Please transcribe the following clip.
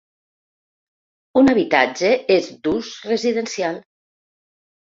Un habitatge és d’ús residencial.